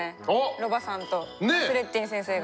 ロバさんとナスレッディン先生が。